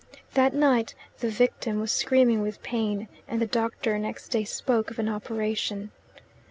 That night the victim was screaming with pain, and the doctor next day spoke of an operation.